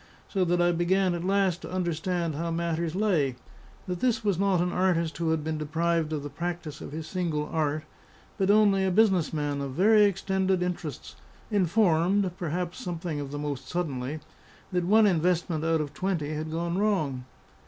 So that I began at last to understand how matters lay: that this was not an artist who had been deprived of the practice of his single art; but only a business man of very extended interests, informed (perhaps something of the most suddenly) that one investment out of twenty had gone wrong.